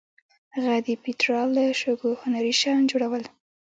هغه د پېټرا له شګو هنري شیان جوړول.